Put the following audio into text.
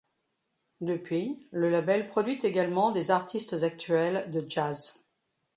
Depuis le label produit également des artistes actuels de jazz.